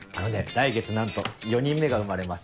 来月なんと４人目が生まれます。